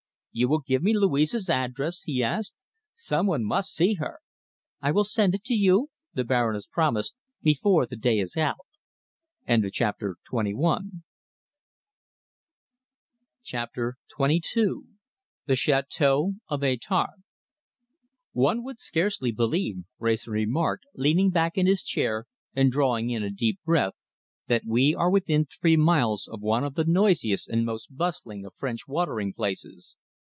"You will give me Louise's address?" he asked. "Some one must see her." "I will send it you," the Baroness promised, "before the day is out." CHAPTER XXII THE CHÂTEAU OF ÉTARPE "One would scarcely believe," Wrayson remarked, leaning back in his chair and drawing in a long deep breath, "that we are within three miles of one of the noisiest and most bustling of French watering places."